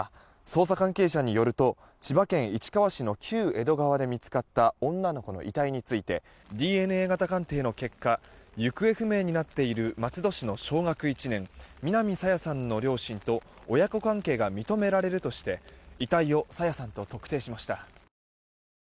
捜査関係者によると千葉県市川市の旧江戸川で見つかった女の子の遺体についてＤＮＡ型鑑定の結果行方不明になっている松戸市の小学１年南朝芽さんの両親と親子関係が認められるとして遺体を朝芽さんと特定しました。